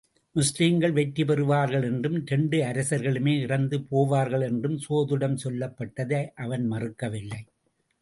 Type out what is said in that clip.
முஸ்லீம்கள் வெற்றி பெறுவார்கள் என்றும் இரண்டு அரசர்களுமே இறந்து போவார்களென்றும், சோதிடம் சொல்லப்பட்டதை அவன் மறக்கவில்லை.